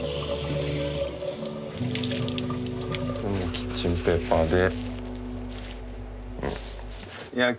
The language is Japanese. キッチンペーパーで。